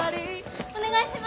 お願いします！